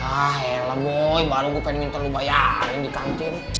ah elah boy baru gue pengen minta lo bayarin di kantin